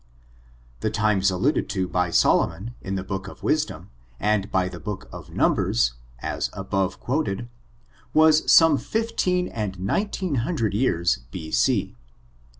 The times alluded to by Solomon, in the book of Wisdom, and by the book of Numbers, as above quoted, was some fifteen and nineteen hundred years B. C.